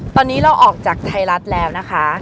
ตอนนี้เราออกจากไทยรัฐแล้วนะคะ